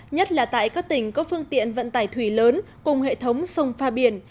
nhất là tại các tỉnh có phương tiện vận tải thủy lớn cùng hệ thống sông pha biển